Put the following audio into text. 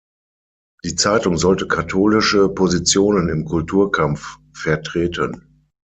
Die Zeitung sollte katholische Positionen im Kulturkampf vertreten.